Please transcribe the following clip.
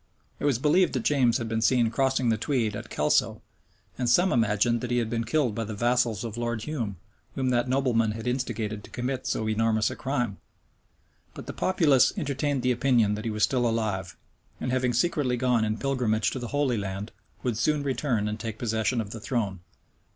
It was believed that James had been seen crossing the Tweed at Kelso;* and some imagined that he had been killed by the vassals of Lord Hume, whom that nobleman had instigated to commit so enormous a crime. But the populace entertained the opinion that he was still alive, and having secretly gone in pilgrimage to the Holy Land, would soon return and take possession of the throne.